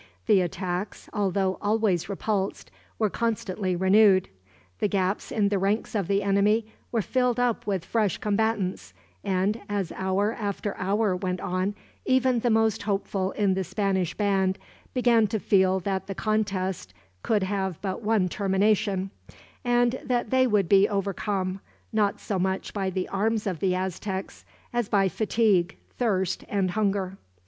The attacks, although always repulsed, were constantly renewed. The gaps in the ranks of the enemy were filled up with fresh combatants and, as hour after hour went on, even the most hopeful in the Spanish band began to feel that the contest could have but one termination; and that they would be overcome, not so much by the arms of the Aztecs, as by fatigue, thirst and hunger.